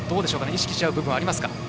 意識し合う部分はありますか。